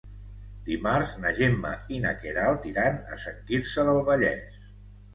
Dimarts na Gemma i na Queralt iran a Sant Quirze del Vallès.